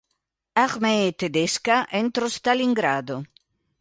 Armee tedesca entro Stalingrado.